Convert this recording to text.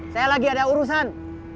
saya lagi ada urusan